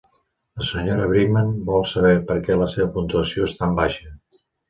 La senyora Brickman vol saber perquè la seva puntuació és tan baixa.